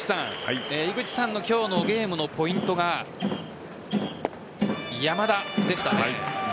井口さんの今日のゲームのポイントが山田でしたね。